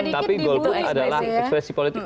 tapi golput adalah ekspresi politik